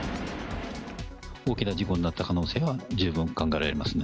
大きな事故になった可能性は十分考えられますね。